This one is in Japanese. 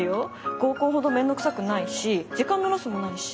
合コンほどめんどくさくないし時間のロスもないし。